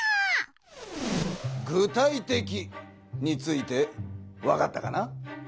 「具体的」についてわかったかな？